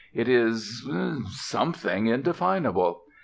It is ... something indefinable.